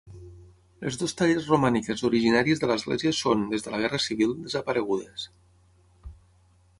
Les dues talles romàniques originàries de l'església són, des de la guerra civil, desaparegudes.